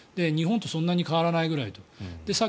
日本とそんなに変わらないぐらいと。